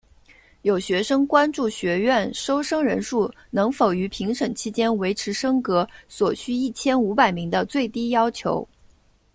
有学生关注学院收生人数能否于评审期间维持升格所需一千五百名的最低要求。